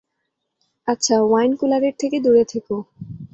আচ্ছা, ওয়াইন কুলারের থেকে দূরে থেকো।